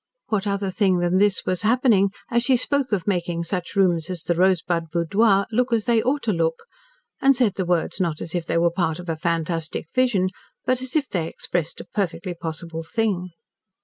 What other thing than this was happening as she spoke of making such rooms as the Rosebud Boudoir "look as they ought to look," and said the words not as if they were part of a fantastic vision, but as if they expressed a perfectly possible thing?